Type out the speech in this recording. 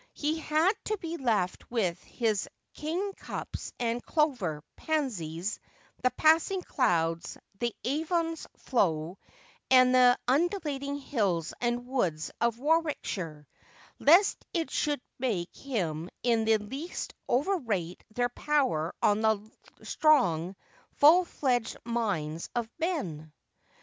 He had to be left with his kingcups and clover, pansies, the passing clouds, the Avon's flow, and the undulating hills and woods of Warwickshire, lest it should make him in the least overrate their power on the strong, full fledged minds of men."